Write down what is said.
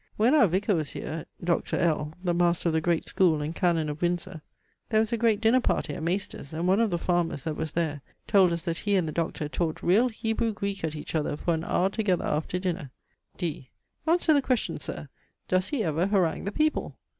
When our Vicar was here, Dr. L. the master of the great school and Canon of Windsor, there was a great dinner party at maister's; and one of the farmers, that was there, told us that he and the Doctor talked real Hebrew Greek at each other for an hour together after dinner. D. Answer the question, Sir! does he ever harangue the people?